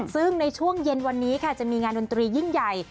ซึ่งในช่วงเย็นวันนี้ค่ะจะมีงานดนตรียิ่งใหญ่